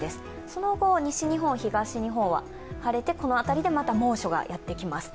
その後、西日本、東日本は晴れて、この辺りでまた猛暑がやってきます。